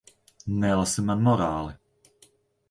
Nelasi man morāli.